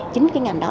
chính cái ngành đó